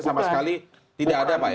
sama sekali tidak ada pak ya